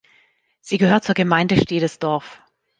Sie gehört zur Gemeinde Stedesdorf.